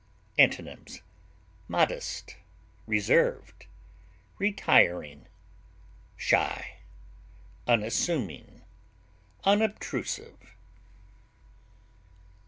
Antonyms: modest, reserved, retiring, shy, unassuming, unobtrusive.